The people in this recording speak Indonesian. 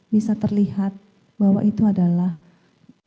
bisa terlihat bahwa itu adalah dana dana yang diperlukan oleh dari ricky dan joshua